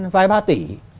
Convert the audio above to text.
vài ba tỷ